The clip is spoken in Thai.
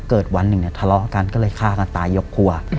วันหนึ่งเนี่ยทะเลาะกันก็เลยฆ่ากันตายยกครัว